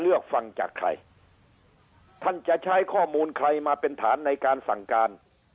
เลือกฟังจากใครท่านจะใช้ข้อมูลใครมาเป็นฐานในการสั่งการ